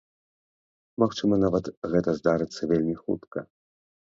Магчыма нават, гэта здарыцца вельмі хутка.